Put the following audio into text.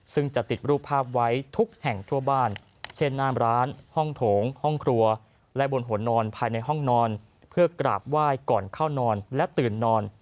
ซึ่งจะติดรูปภาพไว้ทุกแห่งทั่วบ้านเช่นหน้ามร้านห้องโถงห้องครัวและบนหัวนอนภายในห้องนอนเพื่อกราบไหว้ก่อนเข้านอนและตื่นนอน